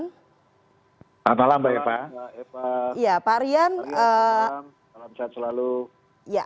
selamat malam pak eva